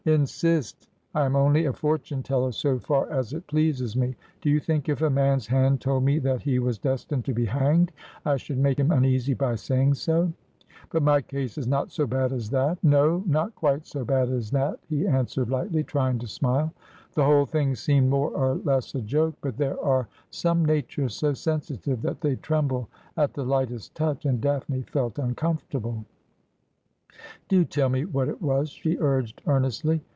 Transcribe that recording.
' Insist ! I am only a fortune teller so far as it pleases me. Do you think if a man's hand told me that he was destined to be hanged, I should make him uneasy by saying so ?'' But my case is not so bad as that ?'' No ; not quite so bad as that,' he answered lightly, trying to smile. The whole thing seemed more or less a joke ; but there are some natures so sensitive that they tremble at the lightest touch ; and Daphne felt uncomfortable. ' Do tell me what it was,' she urged earnestly.